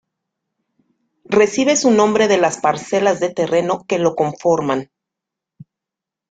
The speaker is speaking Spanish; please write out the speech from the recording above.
Recibe su nombre de las parcelas de terreno que lo conforman.